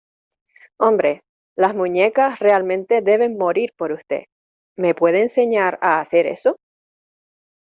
Hombre, las muñecas realmente deben morir por usted. ¿ Me puede enseñar a hacer eso? .